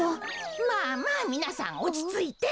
まあまあみなさんおちついて。